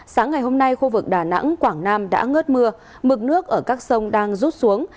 sáng ngày hôm nay khu vực đà nẵng quảng nam đã ngớt mưa mực nước ở các sông đang rút xuống